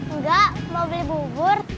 enggak mau beli bubur